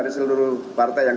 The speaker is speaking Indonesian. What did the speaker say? dipercayai dan berundur oleh batang